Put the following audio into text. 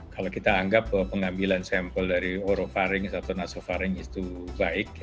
kalau kita anggap pengambilan sampel dari orofaring atau nasofaring itu baik